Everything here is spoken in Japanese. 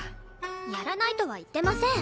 やらないとは言ってません。